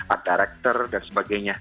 art director dan sebagainya